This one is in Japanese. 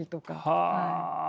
はあ。